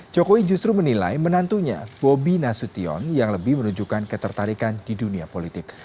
jokowi justru menilai menantunya bobi nasution yang lebih menunjukkan ketertarikan di dunia politik